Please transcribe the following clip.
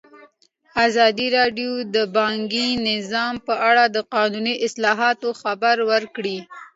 ازادي راډیو د بانکي نظام په اړه د قانوني اصلاحاتو خبر ورکړی.